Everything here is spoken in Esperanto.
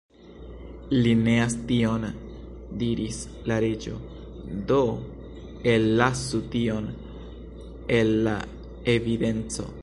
"Li neas 'tion'" diris la Reĝo, "do ellasu 'tion' el la evidenco."